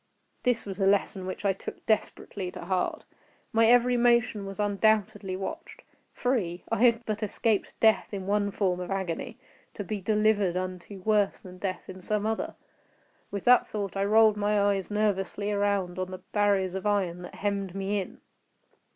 This was a lesson which I took desperately to heart. My every motion was undoubtedly watched. Free!—I had but escaped death in one form of agony, to be delivered unto worse than death in some other. With that thought I rolled my eves nervously around on the barriers of iron that hemmed me in.